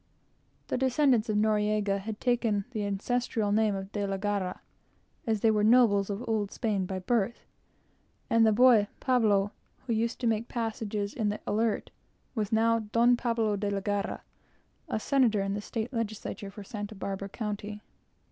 The descendants of Noriego had taken the ancestral name of De la Guerra, as they were nobles of Old Spain by birth; and the boy Pablo, who used to make passages in the Alert, was now Don Pablo de la Guerra, a Senator in the State Legislature for Santa Barbara County.